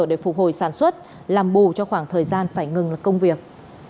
để phục hồi sản xuất làm bù cho khoảng thời gian phải ngừng công việc